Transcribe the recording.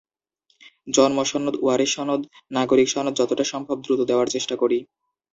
জন্মসনদ, ওয়ারিশ সনদ, নাগরিক সনদ যতটা সম্ভব দ্রুত দেওয়ার চেষ্টা করি।